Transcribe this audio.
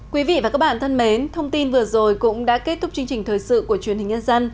quý vị và các bạn thân mến thông tin vừa rồi cũng đã kết thúc chương trình thời sự của chúng tôi